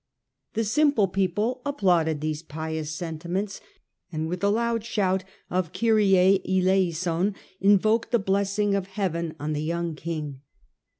The simple people applauded these pious sentiments, and with a loud shout of ' Kyrie Eleison ' invoked the blessing of heaven on the young king.